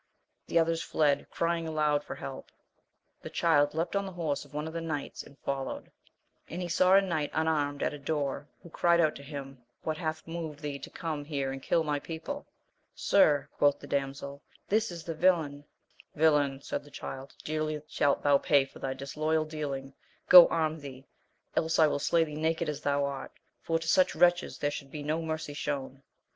The others fled, crying aloud for help, the Child leapt on the horse of one of the knights and followed, and he saw a knight unarmed at a door who cried out to him what hath moved thee to come here and kill my people ? Sir, quoth the damsel, this is the villain? Villain, said the Child, dearly shalt thou pay for thy disloyal dealing, go arm thee, else I will slay thee naked as thou art, for to such wretches there should be no mercy shown.